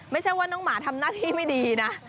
ไม่ใช่ว่าน้องหมาทำหน้าที่ไม่ดีนะ